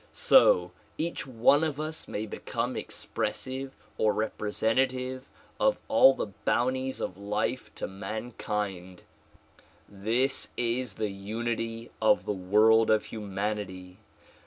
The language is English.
So each one of us may become expressive or representative of all the bounties of life to mankind. This is the unity of the world of humanity.